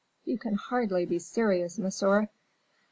You can hardly be serious, monsieur."